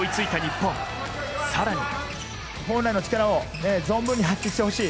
本来の力を存分に発揮してほしい。